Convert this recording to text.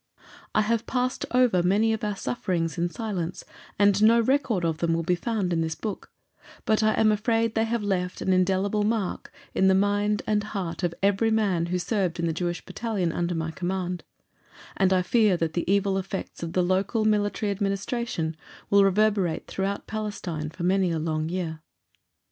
I have passed over many of our sufferings in silence, and no record of them will be found in this book, but I am afraid they have left an indelible mark in the mind and heart of every man who served in the Jewish Battalion under my command, and I fear that the evil effects of the local Military Administration will reverberate throughout Palestine for many a long year.